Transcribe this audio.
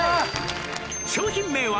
「商品名は」